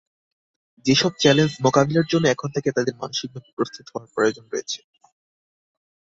সেসব চ্যালেঞ্জ মোকাবিলার জন্য এখন থেকে তাঁদের মানসিকভাবে প্রস্তুত হওয়ার প্রয়োজন রয়েছে।